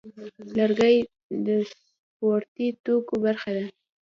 لرګی د سپورتي توکو برخه ده.